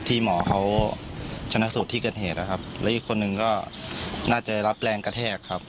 ที่หมอเขาชนะสูตรที่เกิดเหตุนะครับแล้วอีกคนนึงก็น่าจะรับแรงกระแทกครับ